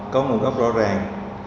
có nguồn gốc rõ ràng